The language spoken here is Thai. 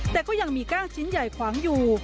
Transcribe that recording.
แต่ก็ยังมีกล้างชิ้นใหญ่ขวางอยู่